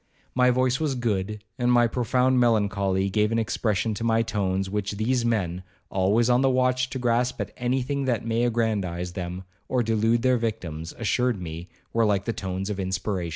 My voice was good, and my profound melancholy gave an expression to my tones, which these men, always on the watch to grasp at any thing that may aggrandize them, or delude their victims, assured me were like the tones of inspiration.